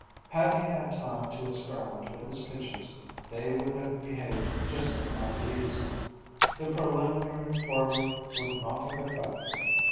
Had he had time to experiment with his Pigeons, they would have behaved just like my Bees; the preliminary twirling would not have affected them.